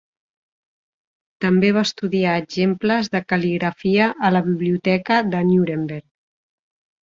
També va estudiar exemples de cal·ligrafia a la biblioteca de Nuremberg.